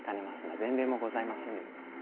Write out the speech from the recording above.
前例もございませぬゆえ。